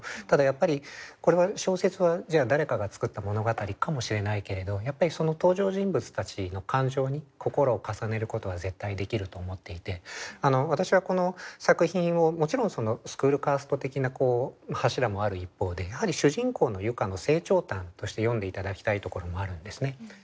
ただやっぱり小説はじゃあ誰かが作った物語かもしれないけれど登場人物たちの感情に心を重ねることは絶対できると思っていて私はこの作品をもちろんスクールカースト的な柱もある一方でやはり主人公の結佳の成長譚として読んで頂きたいところもあるんですね。